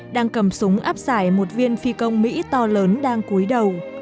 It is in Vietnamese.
đang cầm súng áp giải một viên phi công mỹ to lớn đang cúi đầu